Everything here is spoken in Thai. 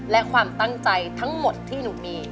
และความตั้งใจทั้งหมดที่หนูมี